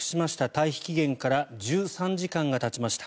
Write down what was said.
退避期限から１３時間がたちました。